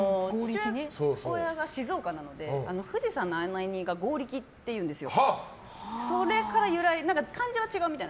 父親が静岡なんで富士山の案内人がごうりきっていうんですよ。